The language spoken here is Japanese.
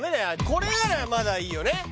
これならまだいいよね